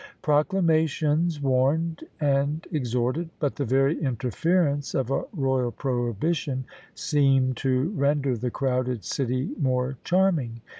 Proclamations warned and exhorted; but the very interference of a royal prohibition seemed to render the crowded city more charming.